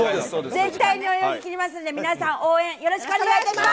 絶対に泳ぎきりますんで、皆さん、応援よろしくお願いします。